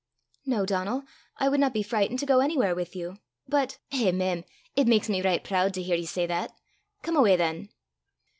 "No, Donal. I would not be frightened to go anywhere with you. But " "Eh, mem! it maks me richt prood to hear ye say that. Come awa than."